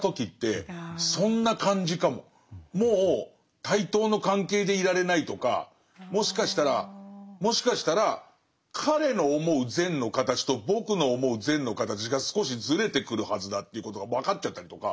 もう対等の関係でいられないとかもしかしたらもしかしたら彼の思う善の形と僕の思う善の形が少しずれてくるはずだということが分かっちゃったりとか。